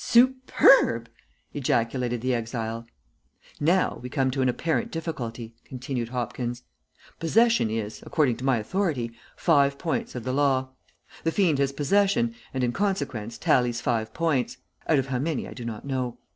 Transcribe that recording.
"Superb!" ejaculated the exile. "Now we come to an apparent difficulty," continued Hopkins. "Possession is, according to my authority, five points of the law. The fiend has possession, and in consequence tallies five points; out of how many I do not know.